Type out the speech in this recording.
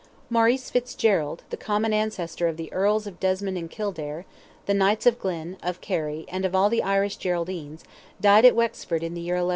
Maurice Fitzgerald, the common ancestor of the Earls of Desmond and Kildare, the Knights of Glyn, of Kerry, and of all the Irish Geraldines, died at Wexford in the year 1177.